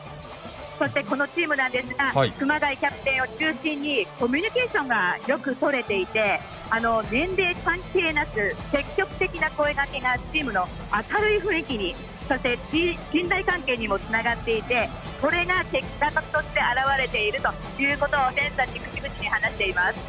そしてこのチームなんですが熊谷キャプテンを中心にコミュニケーションがよくとれていて年齢、関係なく積極的な声がけがチームの明るい感じそして信頼関係にもつながっていてそれが結果として表れてるということを選手たちが話しています。